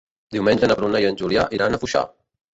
Diumenge na Bruna i en Julià iran a Foixà.